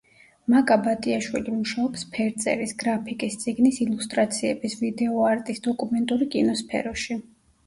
მაკა ბატიაშვილი მუშაობს ფერწერის, გრაფიკის, წიგნის ილუსტრაციების, ვიდეო არტის, დოკუმენტური კინოს სფეროში.